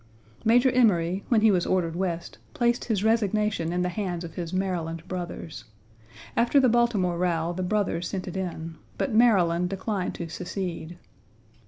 Major Emory,1 when he was ordered West, placed his resignation in the hands of his Maryland brothers. After the Baltimore row the brothers sent it in, but Maryland declined to secede.